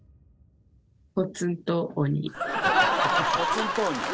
ポツンと鬼。